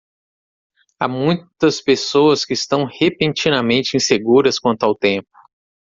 Há muitas pessoas que estão repentinamente inseguras quanto ao tempo.